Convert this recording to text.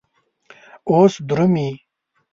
او درومې